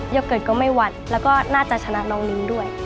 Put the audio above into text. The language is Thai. เกิดก็ไม่วัดแล้วก็น่าจะชนะน้องนิ้งด้วย